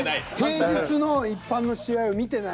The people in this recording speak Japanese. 平日の一般の試合を見てない。